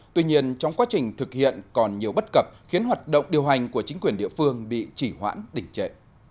tuy nhiên trong quá trình thực hiện còn nhiều bất cập khiến hoạt động điều hành của chính quyền địa phương bị chỉ hoãn đỉnh trệ